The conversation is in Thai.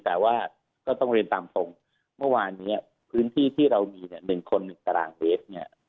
แต่ว่าก็ต้องเรียนตามตรงเมื่อวานนี้พื้นที่ที่เรามี๑คน๑การางเวส